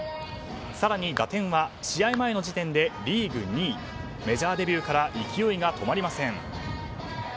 更に打点は試合前の時点でリーグ２位。メジャーデビューから勢いが止まりません。